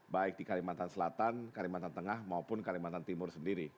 baik di kalimantan selatan kalimantan tengah maupun kalimantan timur sendiri